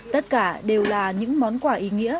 tất cả đều là những món quả ý nghĩa